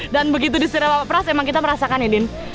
dan begitu disetir sama pak pras emang kita merasakan ya din